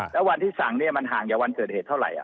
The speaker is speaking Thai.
แล้ววันที่สั่งมันห่างจากวันเกิดเหตุเท่าไหร่